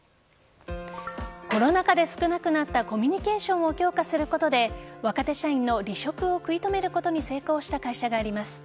コロナ禍で少なくなったコミュニケーションを強化することで若手社員の離職を食い止めることに成功した会社があります。